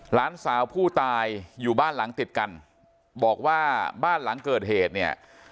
หลานสาวผู้ตายอยู่บ้านหลังติดกันบอกว่าบ้านหลังเกิดเหตุเนี่ย